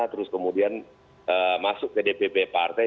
terus kemudian masuk ke dpp partai